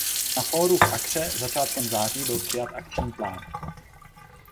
Na fóru v Akkře začátkem září byl přijat akční plán.